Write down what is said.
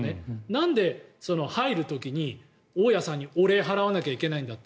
なんで入る時に大家さんにお礼を払わなきゃいけないんだと。